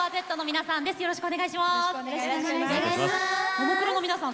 ももクロの皆さん